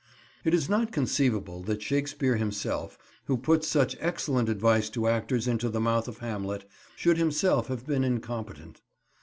It is not conceivable that Shakespeare himself, who puts such excellent advice to actors into the mouth of Hamlet, should himself have been incompetent.